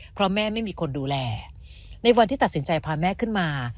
เพราะแม่ไม่มีคนดูแลในวันที่ตัดสินใจพาแม่ขึ้นมา